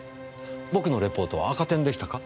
僕のレポートは赤点でしたか？